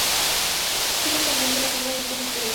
Fue subcampeón de la Segunda División del Perú.